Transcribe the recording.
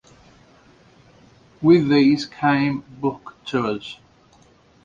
With these came book tours.